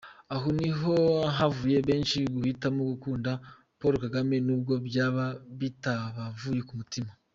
Aho niho havuye benshi guhitamo gukunda Paulo Kagame n’ubwo byaba bitabavuye ku mutima.